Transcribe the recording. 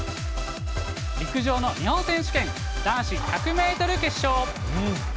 陸上の日本選手権、男子１００メートル決勝。